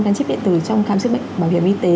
căn chế biện tử trong khám xét bệnh bảo hiểm y tế